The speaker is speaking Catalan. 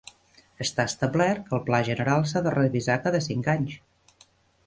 Està establert que el Pla general s'ha de revisar cada cinc anys.